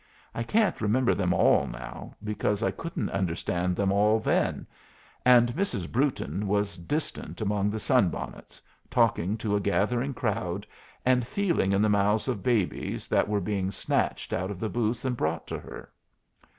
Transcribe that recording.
I can't remember them all now, because I couldn't understand them all then, and Mrs. Brewton was distant among the sun bonnets, talking to a gathering crowd and feeling in the mouths of babies that were being snatched out of the booths and brought to her.